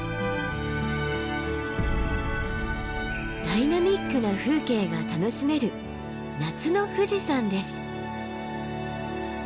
ダイナミックな風景が楽しめる夏の富士山です。